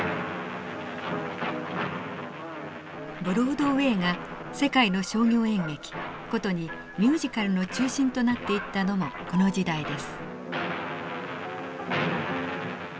ブロードウェイが世界の商業演劇ことにミュージカルの中心となっていったのもこの時代です。